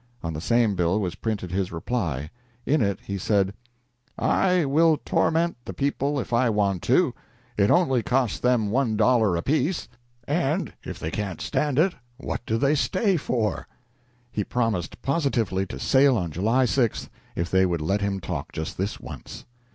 On the same bill was printed his reply. In it he said: "I will torment the people if I want to. It only costs them $1 apiece, and, if they can't stand it, what do they stay here for?" He promised positively to sail on July 6th if they would let him talk just this once.